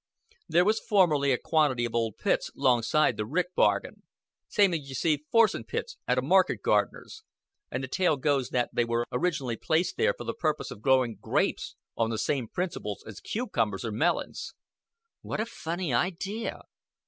"There was formerly a quantity of old pits 'longside the rick bargan same as you see forcing pits at a market gardener's and the tale goes that they were orig'nally placed there for the purpose of growing grapes on the same principle as cucumbers or melons." "What a funny idea!"